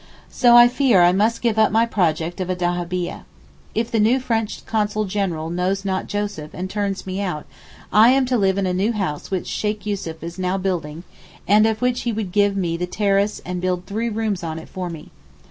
So I fear I must give up my project of a dahabieh. If the new French Consul General 'knows not Joseph' and turns me out, I am to live in a new house which Sheykh Yussuf is now building and of which he would give me the terrace and build three rooms on it for me.